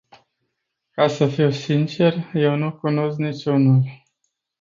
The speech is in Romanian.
Ca să fiu sincer, eu nu cunosc niciunul.